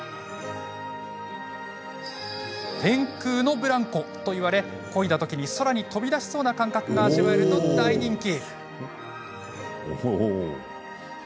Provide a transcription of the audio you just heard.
天空のブランコといわれこいだときに空に飛び出しそうな感覚が味わえると大人気。